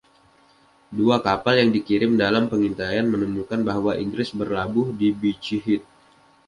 Dua kapal yang dikirim dalam pengintaian menemukan bahwa Inggris berlabuh di Beachy Head.